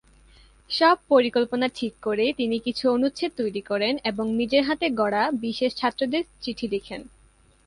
সব পরিকল্পনা ঠিক করে তিনি কিছু অনুচ্ছেদ তৈরী করেন এবং নিজের হাতে গড়া বিশেষ ছাত্রদের চিঠি লিখেন।